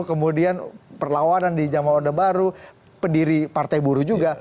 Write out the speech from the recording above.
kemudian perlawanan di zaman orde baru pendiri partai buruh juga